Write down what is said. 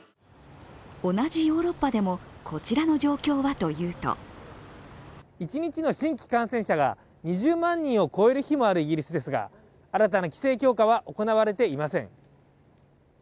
同じヨーロッパでもこちらの状況はというと一日の新規感染者が２０万人を超える日もあるイギリスですが、新たな規制強化は行われていません。